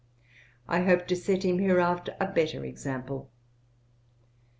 I hope to set him hereafter a better example.'